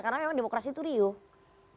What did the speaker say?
karena memang demokrasi itu riuh